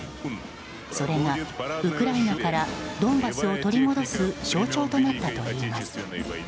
それがウクライナからドンバスを取り戻す象徴となったといいます。